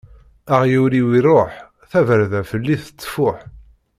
Aɣyul-iw iṛuḥ, tabarda fell-i tettfuḥ.